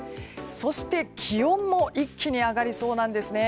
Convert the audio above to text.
そして気温も一気に上がりそうなんです。